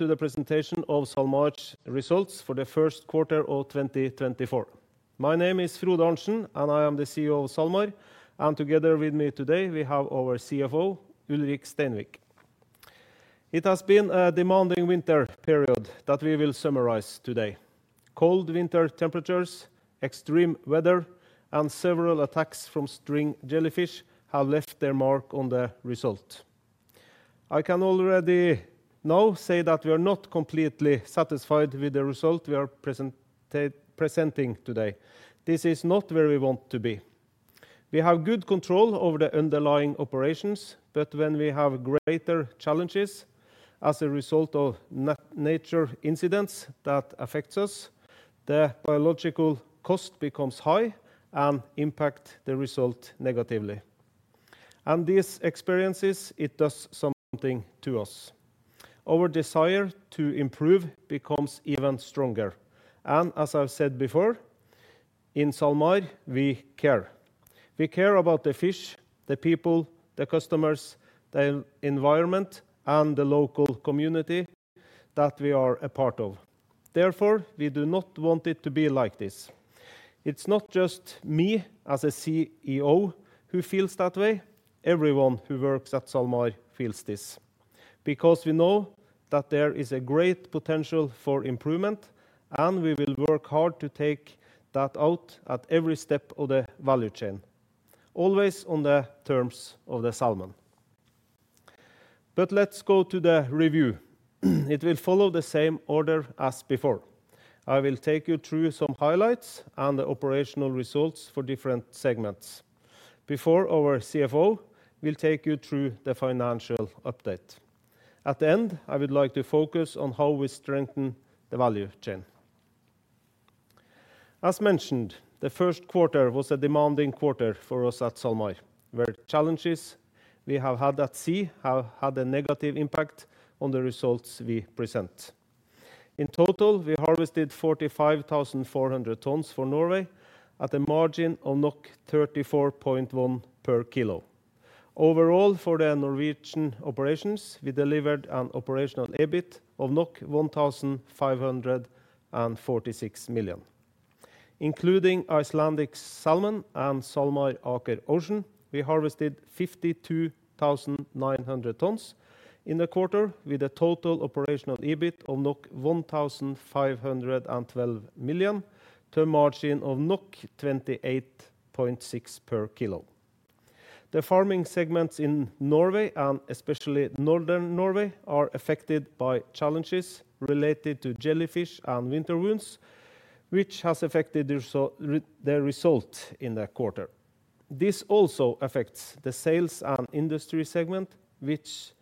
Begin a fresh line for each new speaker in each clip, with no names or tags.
to the presentation of SalMar's results for the first quarter of 2024. My name is Frode Arntsen, and I am the CEO of SalMar, and together with me today, we have our CFO, Ulrik Steinvik. It has been a demanding winter period that we will summarize today. Cold winter temperatures, extreme weather, and several attacks from string jellyfish have left their mark on the result. I can already now say that we are not completely satisfied with the result we are presenting today. This is not where we want to be. We have good control over the underlying operations, but when we have greater challenges as a result of nature incidents that affects us, the biological cost becomes high and impact the result negatively. And these experiences, it does something to us. Our desire to improve becomes even stronger. As I've said before, in SalMar, we care. We care about the fish, the people, the customers, the environment, and the local community that we are a part of. Therefore, we do not want it to be like this. It's not just me as a CEO who feels that way, everyone who works at SalMar feels this. Because we know that there is a great potential for improvement, and we will work hard to take that out at every step of the value chain, always on the terms of the salmon. Let's go to the review. It will follow the same order as before. I will take you through some highlights and the operational results for different segments before our CFO will take you through the financial update. At the end, I would like to focus on how we strengthen the value chain. As mentioned, the first quarter was a demanding quarter for us at SalMar, where challenges we have had at sea have had a negative impact on the results we present. In total, we harvested 45,400 tons for Norway at a margin of 34.1 per kilo. Overall, for the Norwegian operations, we delivered an Operational EBIT of 1,546 million. Including Icelandic Salmon and SalMar Aker Ocean, we harvested 52,900 tons in the quarter, with a total Operational EBIT of 1,512 million to a margin of 28.6 per kilo. The Farming segments in Norway, and especially Northern Norway, are affected by challenges related to jellyfish and winter wounds, which has affected the result in the quarter. This also affects the Sales and Industry segment, which,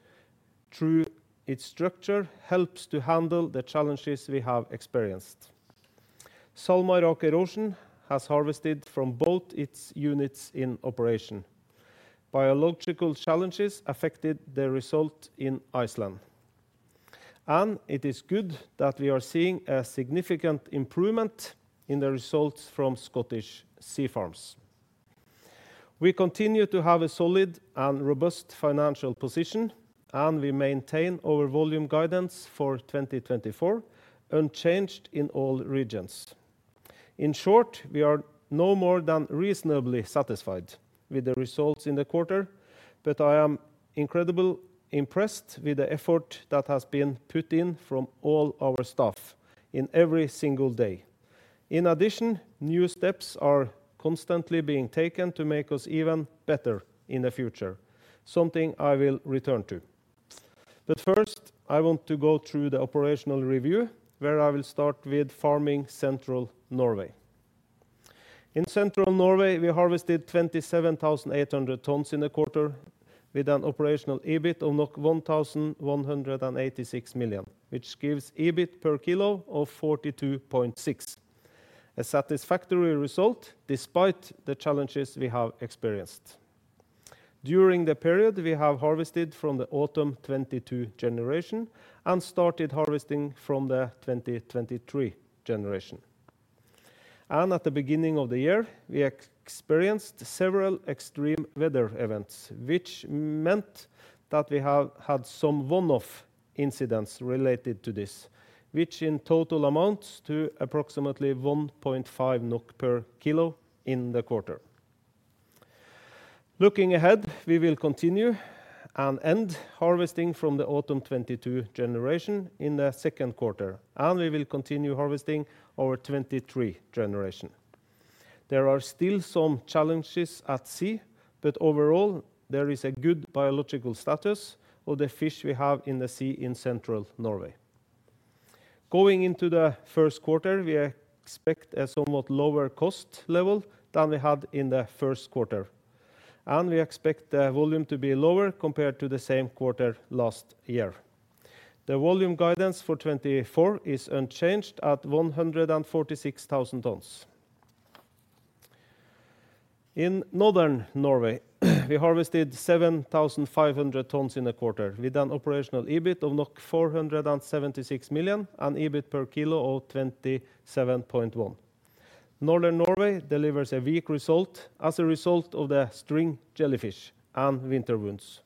through its structure, helps to handle the challenges we have experienced. SalMar Aker Ocean has harvested from both its units in operation. Biological challenges affected the result in Iceland, and it is good that we are seeing a significant improvement in the results from Scottish Sea Farms. We continue to have a solid and robust financial position, and we maintain our volume guidance for 2024, unchanged in all regions. In short, we are no more than reasonably satisfied with the results in the quarter, but I am incredibly impressed with the effort that has been put in from all our staff in every single day. In addition, new steps are constantly being taken to make us even better in the future, something I will return to. But first, I want to go through the operational review, where I will start with farming Central Norway. In Central Norway, we harvested 27,800 tons in the quarter with an Operational EBIT of 1,186 million, which gives EBIT per kilo of 42.6. A satisfactory result despite the challenges we have experienced. During the period, we have harvested from the autumn 2022 generation and started harvesting from the 2023 generation. And at the beginning of the year, we experienced several extreme weather events, which meant that we have had some one-off incidents related to this, which in total amounts to approximately 1.5 NOK per kilo in the quarter. Looking ahead, we will continue and end harvesting from the autumn 2022 generation in the second quarter, and we will continue harvesting our 2023 generation. There are still some challenges at sea, but overall, there is a good biological status of the fish we have in the sea in Central Norway. Going into the first quarter, we expect a somewhat lower cost level than we had in the first quarter, and we expect the volume to be lower compared to the same quarter last year. The volume guidance for 2024 is unchanged at 146,000 tons. In Northern Norway, we harvested 7,500 tons in the quarter, with an Operational EBIT of 476 million and EBIT per kilo of 27.1. Northern Norway delivers a weak result as a result of the String jellyfish and winter wounds.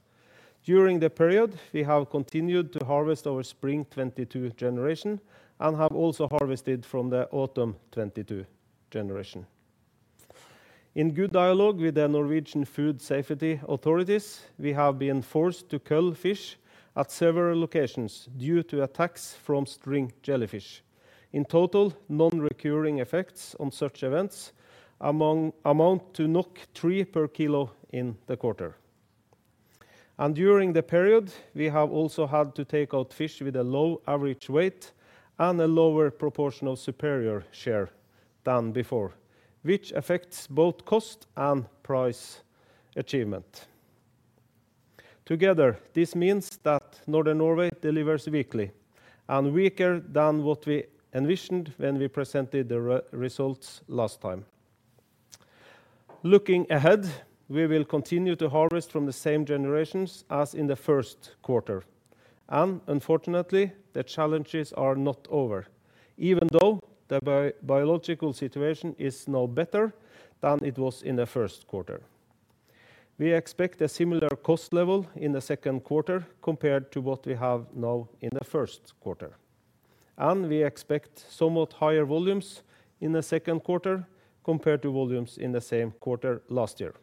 During the period, we have continued to harvest our spring 2022 generation and have also harvested from the autumn 2022 generation. In good dialogue with the Norwegian Food Safety authorities, we have been forced to cull fish at several locations due to attacks from string jellyfish. In total, non-recurring effects on such events amount to 3 per kilo in the quarter. During the period, we have also had to take out fish with a low average weight and a lower proportional superior share than before, which affects both cost and price achievement. Together, this means that Northern Norway delivers weakly and weaker than what we envisioned when we presented the results last time. Looking ahead, we will continue to harvest from the same generations as in the first quarter, and unfortunately, the challenges are not over, even though the biological situation is now better than it was in the first quarter. We expect a similar cost level in the second quarter compared to what we have now in the first quarter, and we expect somewhat higher volumes in the second quarter compared to volumes in the same quarter last year.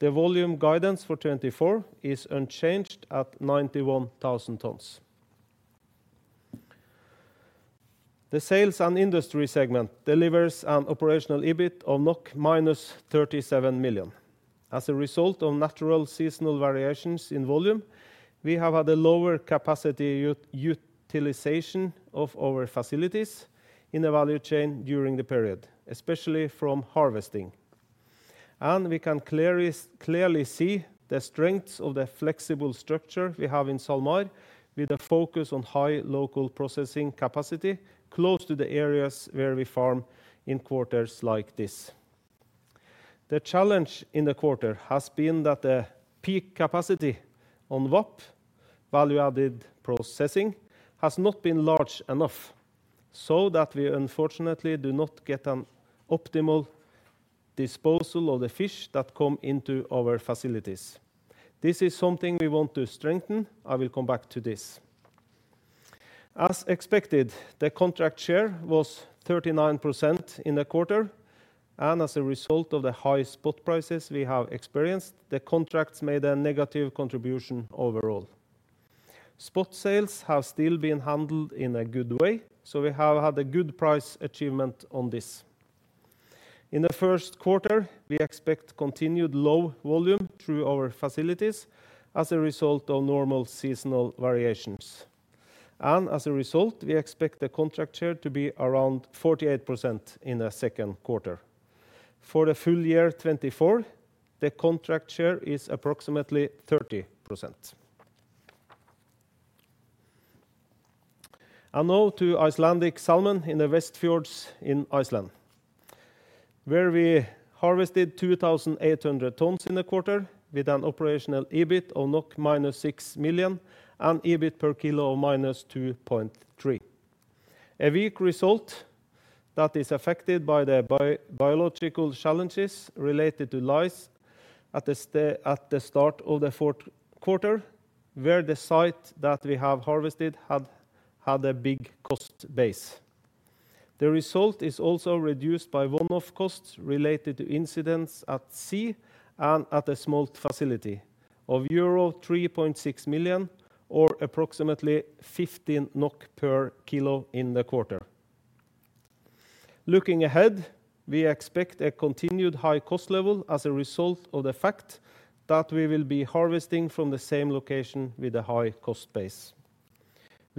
The volume guidance for 2024 is unchanged at 91,000 tons. The Sales and Industry segment delivers an Operational EBIT of -37 million. As a result of natural seasonal variations in volume, we have had a lower capacity utilization of our facilities in the value chain during the period, especially from harvesting. And we can clearly, clearly see the strengths of the flexible structure we have in SalMar, with a focus on high local processing capacity close to the areas where we farm in quarters like this. The challenge in the quarter has been that the peak capacity on VAP, value-added processing, has not been large enough, so that we unfortunately do not get an optimal disposal of the fish that come into our facilities. This is something we want to strengthen. I will come back to this. As expected, the contract share was 39% in the quarter, and as a result of the high spot prices we have experienced, the contracts made a negative contribution overall. Spot sales have still been handled in a good way, so we have had a good price achievement on this. In the first quarter, we expect continued low volume through our facilities as a result of normal seasonal variations. As a result, we expect the contract share to be around 48% in the second quarter. For the full year 2024, the contract share is approximately 30%. And now to Icelandic Salmon in the Westfjords in Iceland, where we harvested 2,800 tons in the quarter with an Operational EBIT of -6 million and EBIT per kilo of -2.3. A weak result that is affected by the biological challenges related to lice at the start of the fourth quarter, where the site that we have harvested had a big cost base. The result is also reduced by one-off costs related to incidents at sea and at a small facility of euro 3.6 million or approximately 15 NOK per kilo in the quarter. Looking ahead, we expect a continued high cost level as a result of the fact that we will be harvesting from the same location with a high cost base.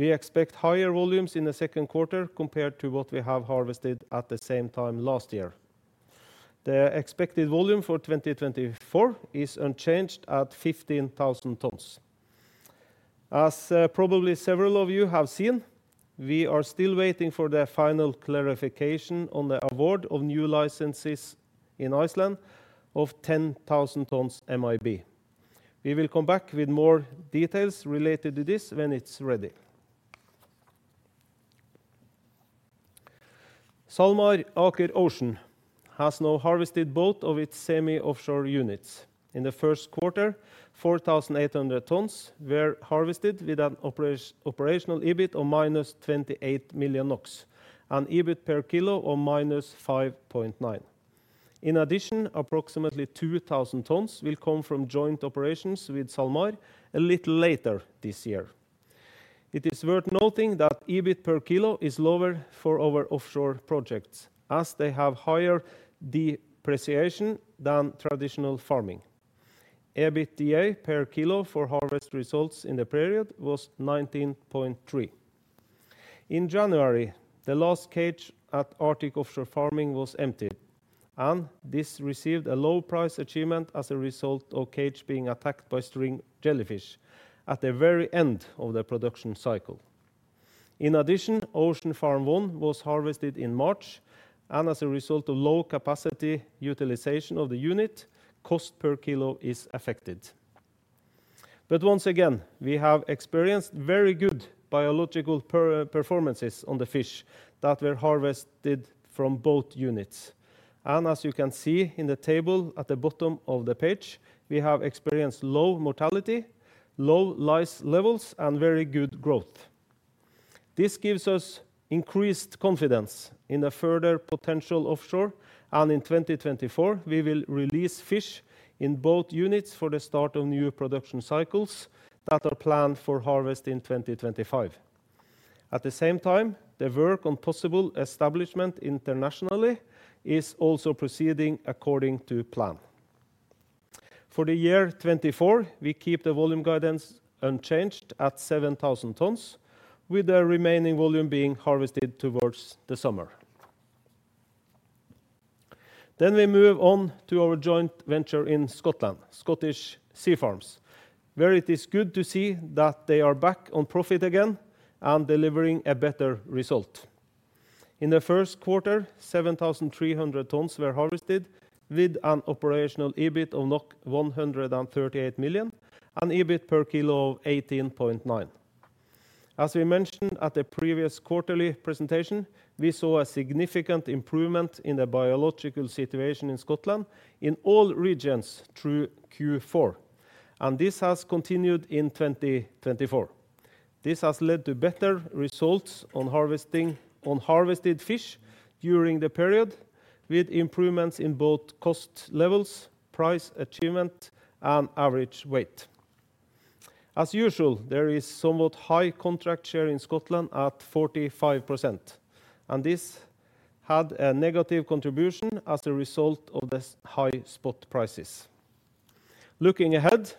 We expect higher volumes in the second quarter compared to what we have harvested at the same time last year. The expected volume for 2024 is unchanged at 15,000 tons. As, probably several of you have seen, we are still waiting for the final clarification on the award of new licenses in Iceland of 10,000 tons MAB. We will come back with more details related to this when it's ready. SalMar Aker Ocean has now harvested both of its semi-offshore units. In the first quarter, 4,800 tons were harvested with an Operational EBIT of -28 million NOK and EBIT per kilo of -5.9. In addition, approximately 2,000 tons will come from joint operations with SalMar a little later this year. It is worth noting that EBIT per kilo is lower for our offshore projects, as they have higher depreciation than traditional farming. EBITDA per kilo for harvest results in the period was 19.3. In January, the last cage at Arctic Offshore Farming was emptied, and this received a low price achievement as a result of cage being attacked by string jellyfish at the very end of the production cycle. In addition, Ocean Farm 1 was harvested in March, and as a result of low capacity utilization of the unit, cost per kilo is affected. But once again, we have experienced very good biological performances on the fish that were harvested from both units. As you can see in the table at the bottom of the page, we have experienced low mortality, low lice levels, and very good growth. This gives us increased confidence in a further potential offshore, and in 2024, we will release fish in both units for the start of new production cycles that are planned for harvest in 2025. At the same time, the work on possible establishment internationally is also proceeding according to plan. For the year 2024, we keep the volume guidance unchanged at 7,000 tons, with the remaining volume being harvested towards the summer. We move on to our joint venture in Scotland, Scottish Sea Farms, where it is good to see that they are back on profit again and delivering a better result. In the first quarter, 7,300 tons were harvested, with an Operational EBIT of 138 million, and EBIT per kilo of 18.9. As we mentioned at the previous quarterly presentation, we saw a significant improvement in the biological situation in Scotland in all regions through Q4, and this has continued in 2024. This has led to better results on harvested fish during the period, with improvements in both cost levels, price achievement, and average weight. As usual, there is somewhat high contract share in Scotland at 45%, and this had a negative contribution as a result of this high spot prices. Looking ahead,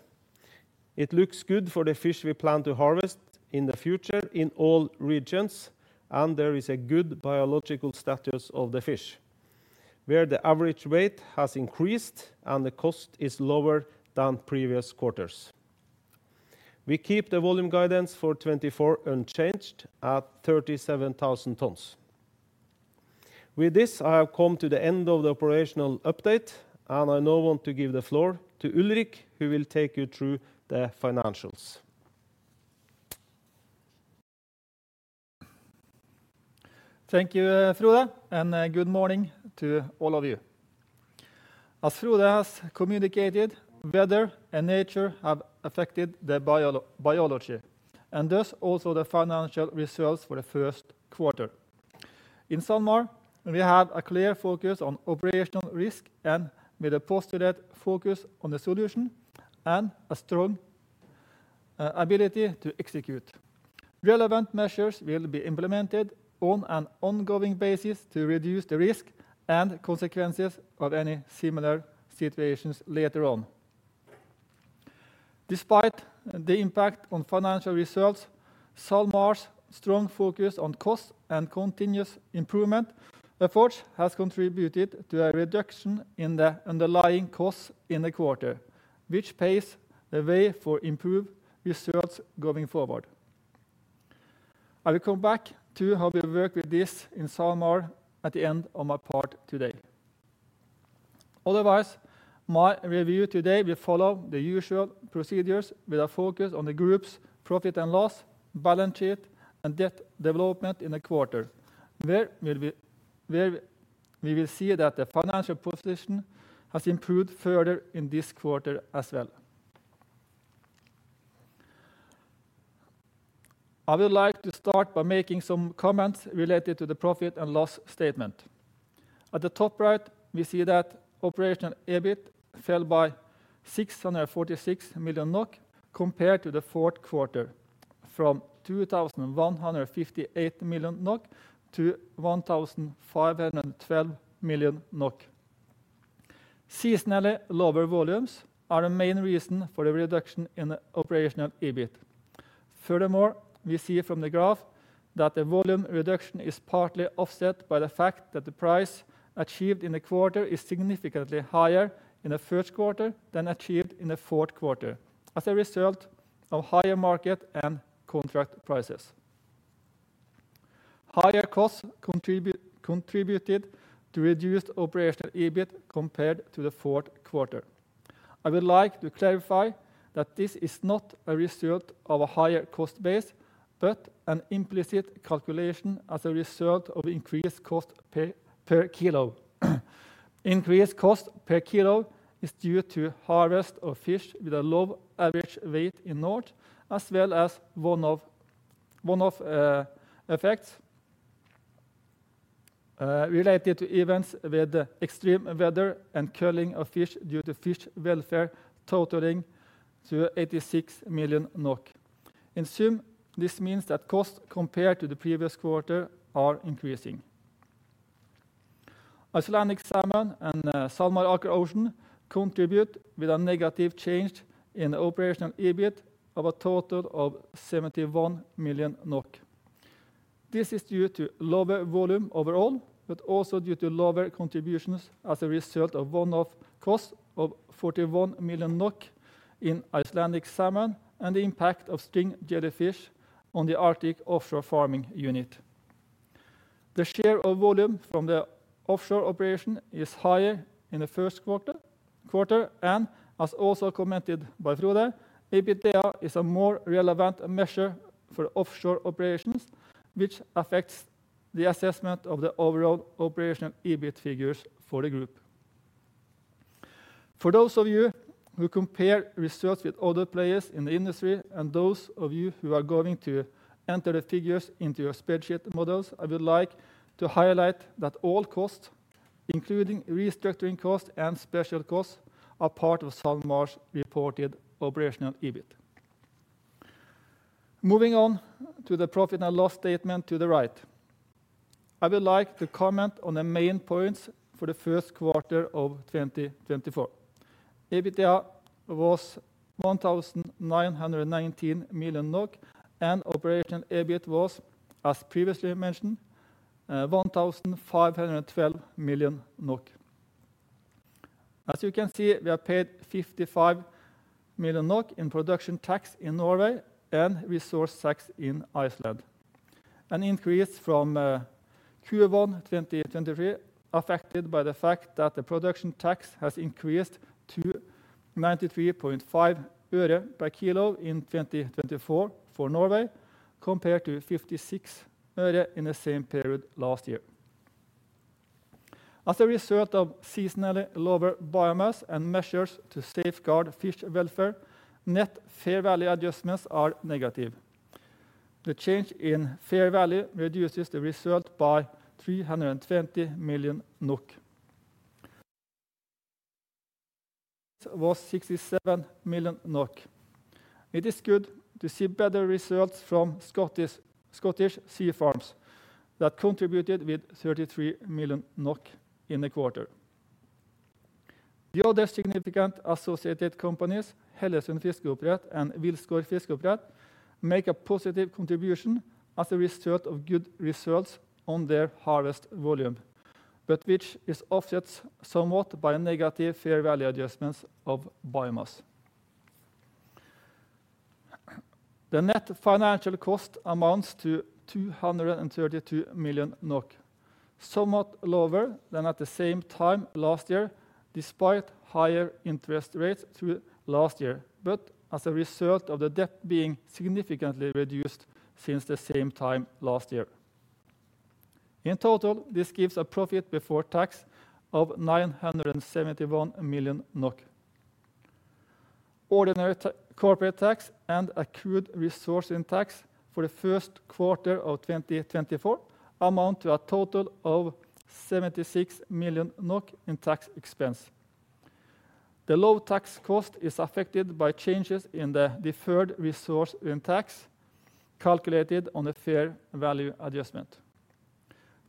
it looks good for the fish we plan to harvest in the future in all regions, and there is a good biological status of the fish, where the average weight has increased and the cost is lower than previous quarters. We keep the volume guidance for 2024 unchanged at 37,000 tons. With this, I have come to the end of the operational update, and I now want to give the floor to Ulrik, who will take you through the financials.
Thank you, Frode, and good morning to all of you. As Frode has communicated, weather and nature have affected the biology, and thus also the financial results for the first quarter. In SalMar, we have a clear focus on operational risk and with a postulate focus on the solution and a strong ability to execute. Relevant measures will be implemented on an ongoing basis to reduce the risk and consequences of any similar situations later on. Despite the impact on financial results, SalMar's strong focus on cost and continuous improvement efforts has contributed to a reduction in the underlying costs in the quarter, which paves the way for improved results going forward. I will come back to how we work with this in SalMar at the end of my part today. Otherwise, my review today will follow the usual procedures with a focus on the group's profit and loss, balance sheet, and debt development in the quarter, where we will see that the financial position has improved further in this quarter as well. I would like to start by making some comments related to the profit and loss statement. At the top right, we see that Operational EBIT fell by 646 million NOK, compared to the fourth quarter from 2,158 million NOK to 1,512 million NOK. Seasonally, lower volumes are the main reason for the reduction in the Operational EBIT. Furthermore, we see from the graph that the volume reduction is partly offset by the fact that the price achieved in the quarter is significantly higher in the first quarter than achieved in the fourth quarter, as a result of higher market and contract prices. Higher costs contributed to reduced Operational EBIT compared to the fourth quarter. I would like to clarify that this is not a result of a higher cost base, but an implicit calculation as a result of increased cost per kilo. Increased cost per kilo is due to harvest of fish with a low average weight in north, as well as one-off effects related to events with extreme weather and culling of fish due to fish welfare, totaling to 86 million NOK. In sum, this means that costs compared to the previous quarter are increasing. Icelandic Salmon and SalMar Aker Ocean contribute with a negative change in the Operational EBIT of a total of 71 million NOK. This is due to lower volume overall, but also due to lower contributions as a result of one-off cost of 41 million NOK in Icelandic Salmon and the impact of string jellyfish on the Arctic Offshore Farming unit. The share of volume from the offshore operation is higher in the first quarter, and as also commented by Frode, EBITDA is a more relevant measure for offshore operations, which affects the assessment of the overall Operational EBIT figures for the group. For those of you who compare results with other players in the industry, and those of you who are going to enter the figures into your spreadsheet models, I would like to highlight that all costs, including restructuring costs and special costs, are part of SalMar's reported Operational EBIT. Moving on to the profit and loss statement to the right. I would like to comment on the main points for the first quarter of 2024. EBITDA was 1,919 million NOK, and Operational EBIT was, as previously mentioned, 1,512 million NOK. As you can see, we have paid 55 million NOK in production tax in Norway and resource tax in Iceland. An increase from Q1 2023, affected by the fact that the production tax has increased to 93.5 øre per kilo in 2024 for Norway, compared to 56 øre in the same period last year. As a result of seasonally lower biomass and measures to safeguard fish welfare, net fair value adjustments are negative. The change in fair value reduces the result by 320 million NOK. was 67 million NOK. It is good to see better results from Scottish Sea Farms that contributed with 33 million NOK in the quarter. The other significant associated companies, Hellesund Fiskeoppdrett and Wilsgård Fiskeoppdrett, make a positive contribution as a result of good results on their harvest volume, but which is offset somewhat by negative fair value adjustments of biomass. The net financial cost amounts to 232 million NOK, somewhat lower than at the same time last year, despite higher interest rates through last year, but as a result of the debt being significantly reduced since the same time last year. In total, this gives a profit before tax of 971 million NOK. Ordinary corporate tax and accrued resource rent tax for the first quarter of 2024 amount to a total of 76 million NOK in tax expense. The low tax cost is affected by changes in the deferred resource rent tax, calculated on the fair value adjustment.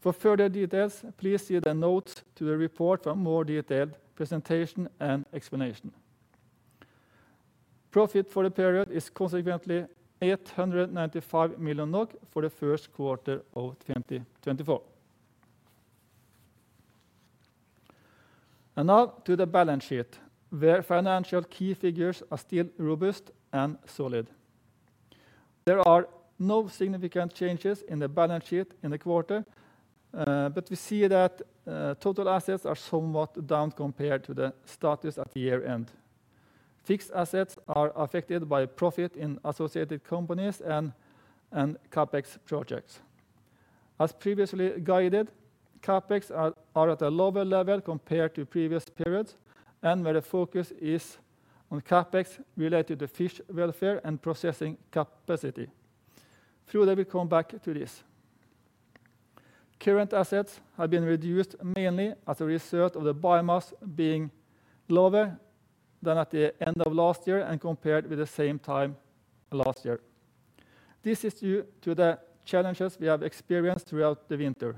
For further details, please see the notes to the report for a more detailed presentation and explanation. Profit for the period is consequently 895 million for the first quarter of 2024. And now to the balance sheet, where financial key figures are still robust and solid. There are no significant changes in the balance sheet in the quarter, but we see that, total assets are somewhat down compared to the status at year-end. Fixed assets are affected by profit in associated companies and CapEx projects. As previously guided, CapEx are at a lower level compared to previous periods, and where the focus is on CapEx related to fish welfare and processing capacity. Frode will come back to this. Current assets have been reduced mainly as a result of the biomass being lower than at the end of last year and compared with the same time last year. This is due to the challenges we have experienced throughout the winter.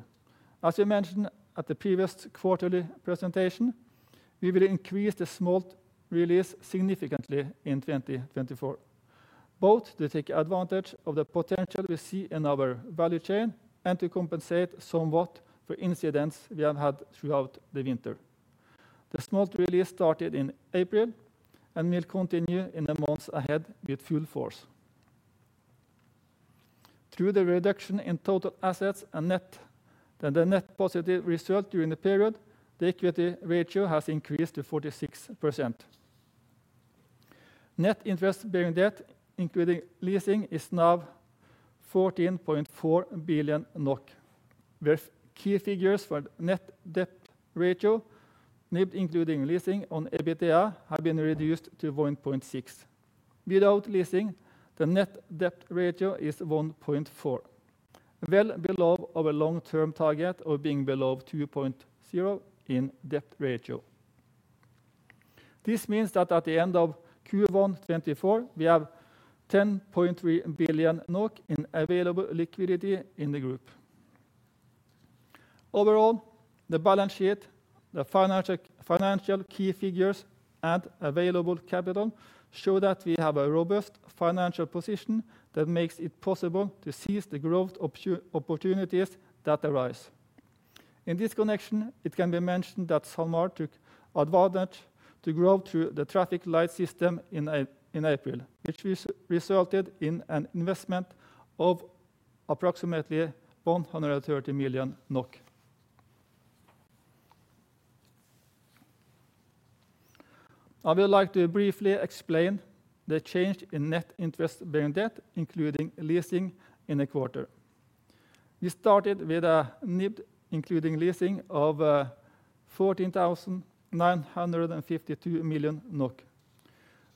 As we mentioned at the previous quarterly presentation, we will increase the smolt release significantly in 2024, both to take advantage of the potential we see in our value chain and to compensate somewhat for incidents we have had throughout the winter. The smolt release started in April and will continue in the months ahead with full force. Through the reduction in total assets and net than the net positive result during the period, the equity ratio has increased to 46%. Net interest bearing debt, including leasing, is now 14.4 billion NOK, with key figures for net debt ratio, NIBD including leasing on EBITDA, have been reduced to 1.6. Without leasing, the net debt ratio is 1.4, well below our long-term target of being below 2.0 in debt ratio. This means that at the end of Q1 2024, we have 10.3 billion NOK in available liquidity in the group. Overall, the balance sheet, the financial, financial key figures and available capital show that we have a robust financial position that makes it possible to seize the growth opportunities that arise. In this connection, it can be mentioned that SalMar took advantage to grow through the traffic light system in April, which resulted in an investment of approximately NOK 130 million. I would like to briefly explain the change in net interest-bearing debt, including leasing, in the quarter. We started with a NIBD, including leasing, of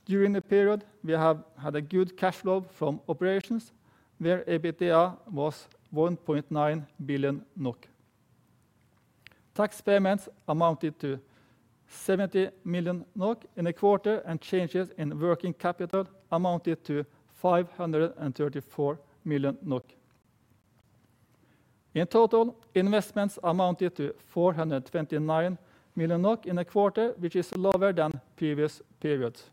14,952 million NOK. During the period, we have had a good cash flow from operations, where EBITDA was 1.9 billion NOK. Tax payments amounted to 70 million NOK in the quarter, and changes in working capital amounted to 534 million NOK. In total, investments amounted to 429 million in the quarter, which is lower than previous periods.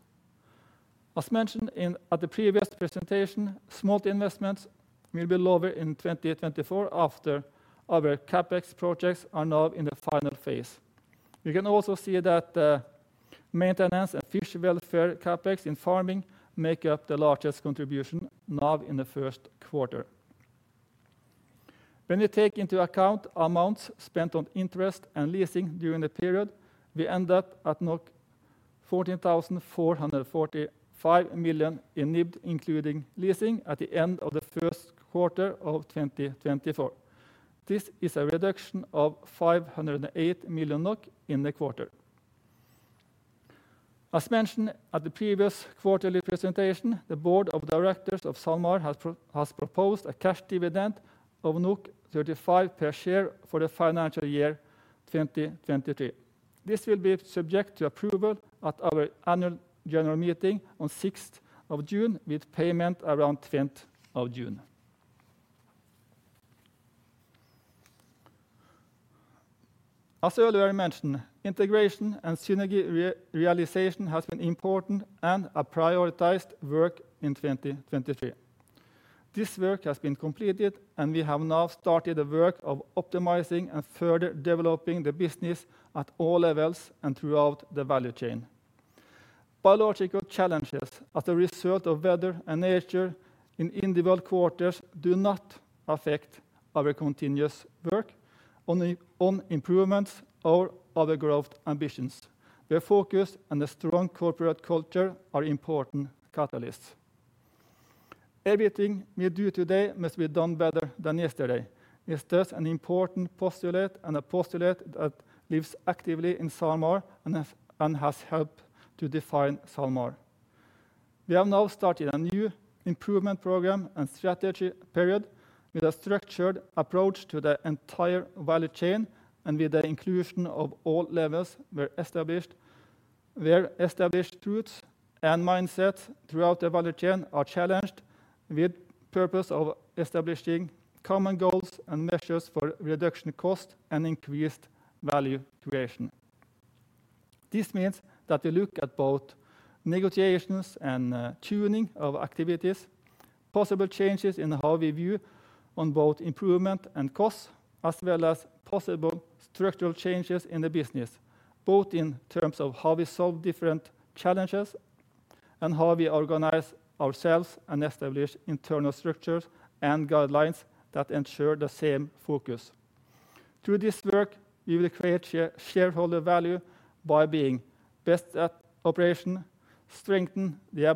As mentioned at the previous presentation, smolt investments will be lower in 2024 after our CapEx projects are now in the final phase. We can also see that maintenance and fish welfare CapEx in farming make up the largest contribution now in the first quarter. When we take into account amounts spent on interest and leasing during the period, we end up at 14,445 million in NIBD, including leasing, at the end of the first quarter of 2024. This is a reduction of 508 million NOK in the quarter. As mentioned at the previous quarterly presentation, the board of directors of SalMar has proposed a cash dividend of 35 per share for the financial year 2023. This will be subject to approval at our annual general meeting on 6th of June, with payment around 20th of June. As earlier mentioned, integration and synergy realization has been important and a prioritized work in 2023. This work has been completed, and we have now started the work of optimizing and further developing the business at all levels and throughout the value chain. Biological challenges as a result of weather and nature in individual quarters do not affect our continuous work on improvements or our growth ambitions. The focus and the strong corporate culture are important catalysts. Everything we do today must be done better than yesterday. It's just an important postulate and a postulate that lives actively in SalMar and has helped to define SalMar. We have now started a new improvement program and strategy period with a structured approach to the entire value chain and with the inclusion of all levels where established truths and mindsets throughout the value chain are challenged, with purpose of establishing common goals and measures for reduction cost and increased value creation. This means that we look at both negotiations and tuning of activities, possible changes in how we view on both improvement and costs, as well as possible structural changes in the business, both in terms of how we solve different challenges and how we organize ourselves and establish internal structures and guidelines that ensure the same focus. Through this work, we will create shareholder value by being best at operation, strengthen the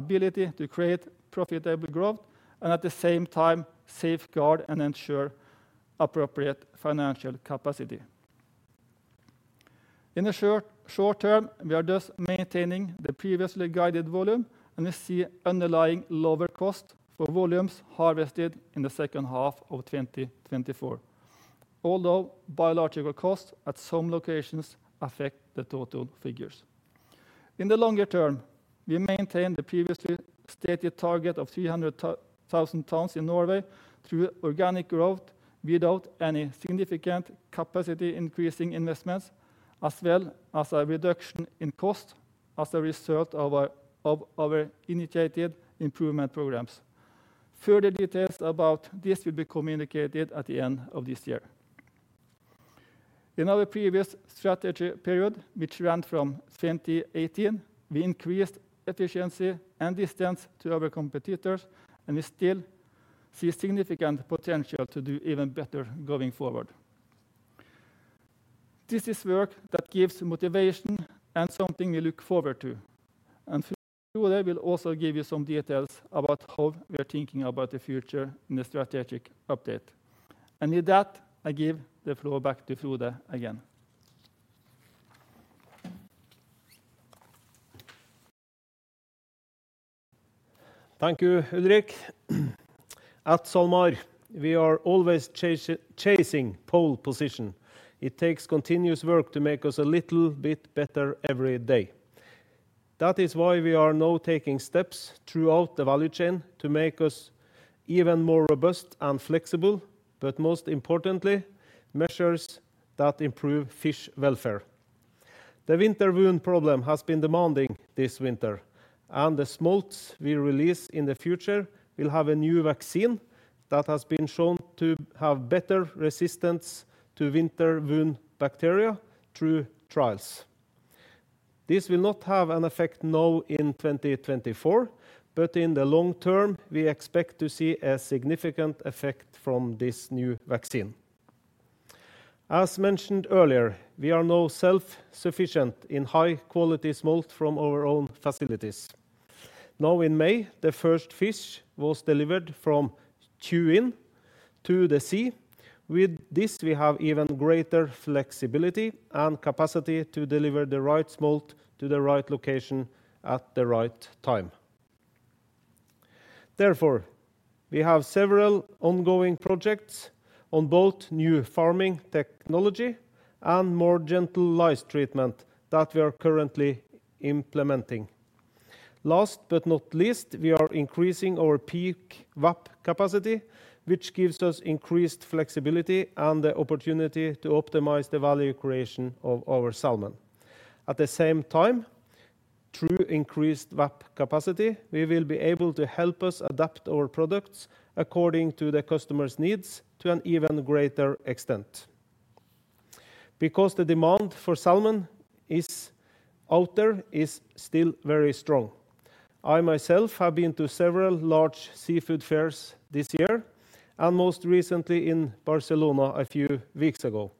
ability to create profitable growth, and at the same time safeguard and ensure appropriate financial capacity. In the short term, we are just maintaining the previously guided volume, and we see underlying lower cost for volumes harvested in the second half of 2024, although biological costs at some locations affect the total figures. In the longer term, we maintain the previously stated target of 300,000 tons in Norway through organic growth, without any significant capacity-increasing investments, as well as a reduction in cost as a result of our initiated improvement programs. Further details about this will be communicated at the end of this year. In our previous strategy period, which ran from 2018, we increased efficiency and distance to our competitors, and we still see significant potential to do even better going forward. This is work that gives motivation and something we look forward to, and Frode will also give you some details about how we are thinking about the future in the strategic update. With that, I give the floor back to Frode again.
Thank you, Ulrik. At SalMar, we are always chasing pole position. It takes continuous work to make us a little bit better every day. That is why we are now taking steps throughout the value chain to make us even more robust and flexible, but most importantly, measures that improve fish welfare. The winter wound problem has been demanding this winter, and the smolts we release in the future will have a new vaccine that has been shown to have better resistance to winter wound bacteria through trials. This will not have an effect now in 2024, but in the long term, we expect to see a significant effect from this new vaccine. As mentioned earlier, we are now self-sufficient in high-quality smolt from our own facilities. Now in May, the first fish was delivered from Tjuin to the sea. With this, we have even greater flexibility and capacity to deliver the right smolt to the right location at the right time. Therefore, we have several ongoing projects on both new farming technology and more gentle lice treatment that we are currently implementing. Last but not least, we are increasing our peak VAP capacity, which gives us increased flexibility and the opportunity to optimize the value creation of our salmon. At the same time, through increased VAP capacity, we will be able to help us adapt our products according to the customer's needs to an even greater extent. Because the demand for salmon is out there is still very strong. I myself have been to several large seafood fairs this year, and most recently in Barcelona a few weeks ago,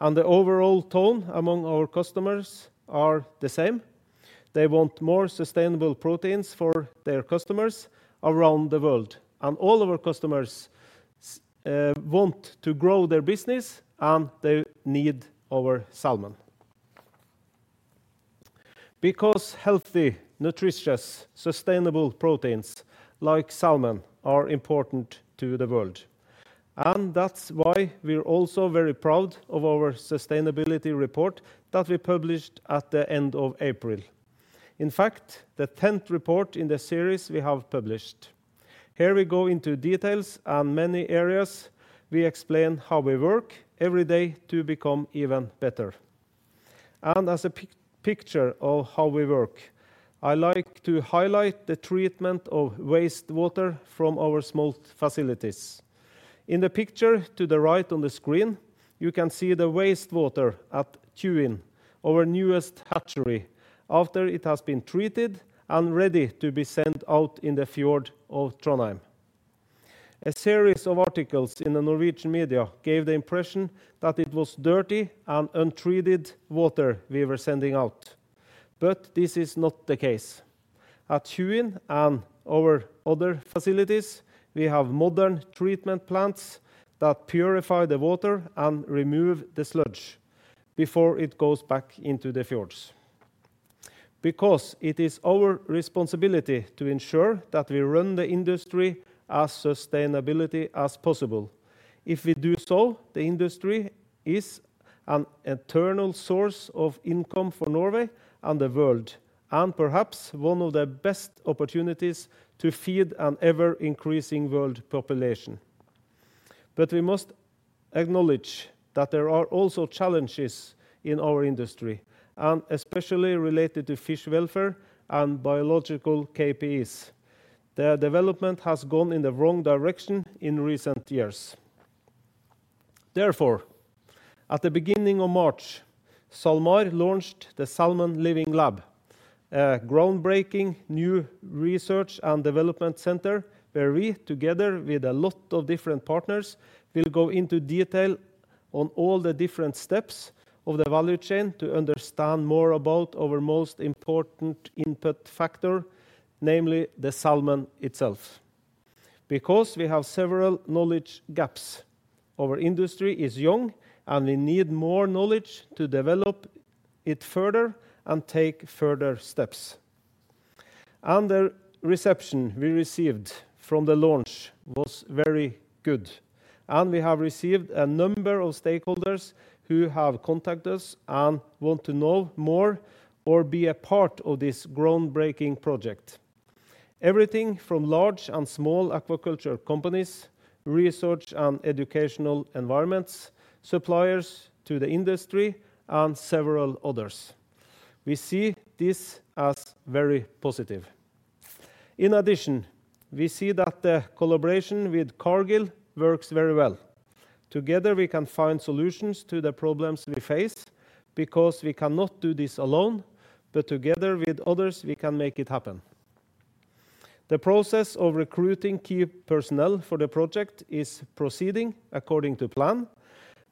and the overall tone among our customers are the same. They want more sustainable proteins for their customers around the world, and all our customers want to grow their business, and they need our salmon. Because healthy, nutritious, sustainable proteins like salmon are important to the world, and that's why we're also very proud of our sustainability report that we published at the end of April. In fact, the tenth report in the series we have published. Here we go into details and many areas we explain how we work every day to become even better. And as a picture of how we work, I like to highlight the treatment of wastewater from our small facilities. In the picture to the right on the screen, you can see the wastewater at Tjuin, our newest hatchery, after it has been treated and ready to be sent out in the fjord of Trondheim. A series of articles in the Norwegian media gave the impression that it was dirty and untreated water we were sending out, but this is not the case. At Tjuin and our other facilities, we have modern treatment plants that purify the water and remove the sludge before it goes back into the fjords. Because it is our responsibility to ensure that we run the industry as sustainably as possible. If we do so, the industry is an eternal source of income for Norway and the world, and perhaps one of the best opportunities to feed an ever-increasing world population. But we must acknowledge that there are also challenges in our industry, and especially related to fish welfare and biological KPIs. The development has gone in the wrong direction in recent years. Therefore, at the beginning of March, SalMar launched the Salmon Living Lab, a groundbreaking new research and development center, where we, together with a lot of different partners, will go into detail on all the different steps of the value chain to understand more about our most important input factor, namely the salmon itself. Because we have several knowledge gaps, our industry is young, and we need more knowledge to develop it further and take further steps. The reception we received from the launch was very good, and we have received a number of stakeholders who have contacted us and want to know more or be a part of this groundbreaking project. Everything from large and small aquaculture companies, research and educational environments, suppliers to the industry, and several others. We see this as very positive. In addition, we see that the collaboration with Cargill works very well. Together, we can find solutions to the problems we face because we cannot do this alone, but together with others, we can make it happen. The process of recruiting key personnel for the project is proceeding according to plan,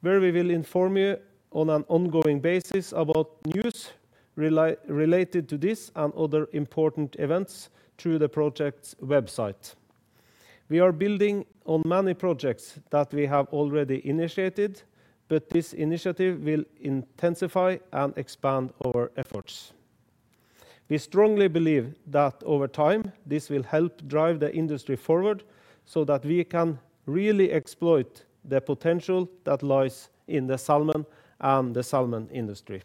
where we will inform you on an ongoing basis about news related to this and other important events through the project's website. We are building on many projects that we have already initiated, but this initiative will intensify and expand our efforts. We strongly believe that over time, this will help drive the industry forward so that we can really exploit the potential that lies in the salmon and the salmon industry.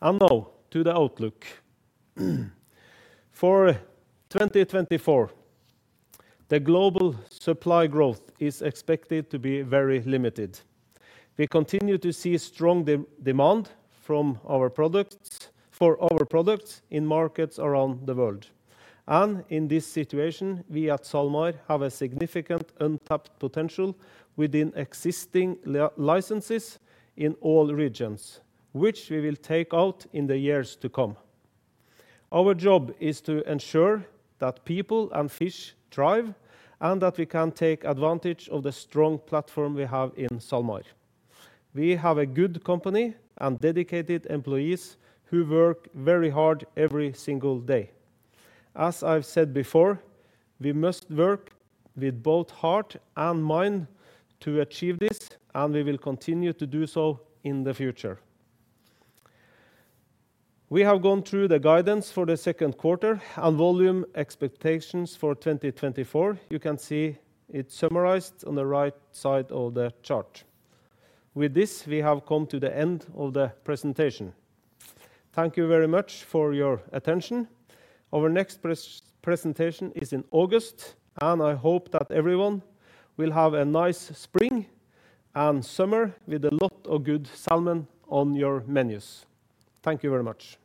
And now to the outlook. For 2024, the global supply growth is expected to be very limited. We continue to see strong demand from our products, for our products in markets around the world. In this situation, we at SalMar have a significant untapped potential within existing licenses in all regions, which we will take out in the years to come. Our job is to ensure that people and fish thrive and that we can take advantage of the strong platform we have in SalMar. We have a good company and dedicated employees who work very hard every single day. As I've said before, we must work with both heart and mind to achieve this, and we will continue to do so in the future. We have gone through the guidance for the second quarter and volume expectations for 2024. You can see it summarized on the right side of the chart. With this, we have come to the end of the presentation. Thank you very much for your attention. Our next presentation is in August, and I hope that everyone will have a nice spring and summer with a lot of good salmon on your menus. Thank you very much.